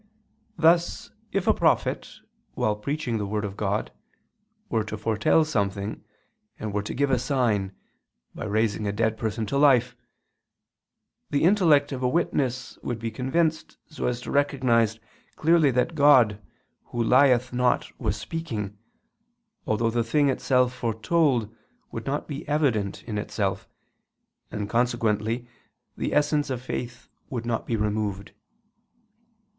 Thus if a prophet, while preaching the word of God, were to foretell something, and were to give a sign, by raising a dead person to life, the intellect of a witness would be convinced so as to recognize clearly that God, Who lieth not, was speaking, although the thing itself foretold would not be evident in itself, and consequently the essence of faith would not be removed.